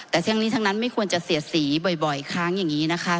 แต่ทั้งนี้ทั้งนั้นไม่ควรจะเสียสีบ่อยค้างอย่างนี้นะคะ